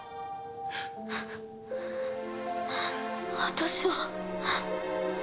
私は。